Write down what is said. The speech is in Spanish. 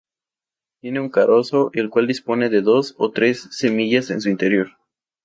Tiene un carozo, el cual dispone de dos o tres semillas en su interior.